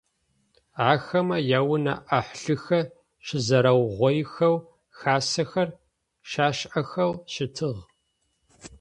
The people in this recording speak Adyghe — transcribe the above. Ахэмэ яунэ ӏахьылхэр щызэрэугъоихэу хасэхэр щашӏыхэу щытыгъ.